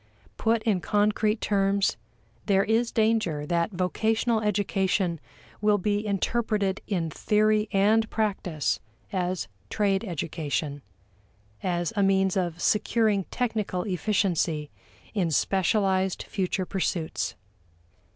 Put in concrete terms, there is danger that vocational education will be interpreted in theory and practice as trade education: as a means of securing technical efficiency in specialized future pursuits.